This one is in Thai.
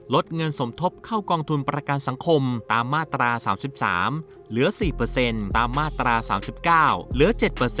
ลดเงินสมทบเข้ากองทุนประกันสังคมตามมาตรา๓๓เหลือ๔ตามมาตรา๓๙เหลือ๗